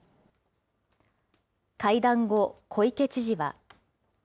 会談後、小池知事は。